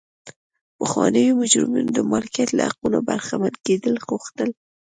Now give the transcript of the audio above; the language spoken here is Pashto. پخوانیو مجرمینو د مالکیت له حقونو برخمن کېدل غوښتل.